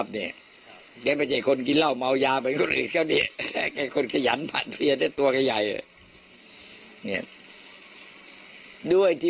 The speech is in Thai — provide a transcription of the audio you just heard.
อเจมส์แต่ภาพโฮงจรติดเป็นภาพคนสอนท้ายพาหลับไป